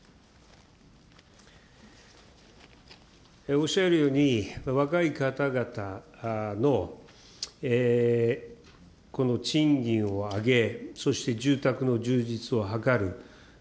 おっしゃるように、若い方々のこの賃金を上げ、そして住宅の充実を図る。